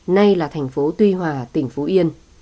nay là thành phố tuy hòa tỉnh phú yên